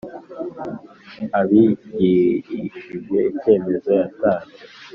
Abigirishije icyemezo yatanze.